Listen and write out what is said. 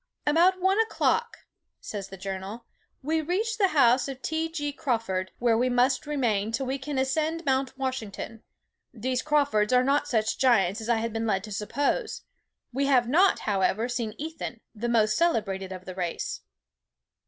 "About one o'clock," says the journal, "we reached the house of T. G. Crawford, where we must remain till we can ascend Mount Washington. These Crawfords are not such giants as I had been led to suppose. We have not, however, seen Ethan, the most celebrated of the race.